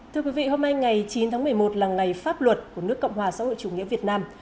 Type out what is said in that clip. thưa quý vị hôm nay ngày chín tháng một mươi một là ngày pháp luật của nước cộng hòa xã hội chủ nghĩa việt nam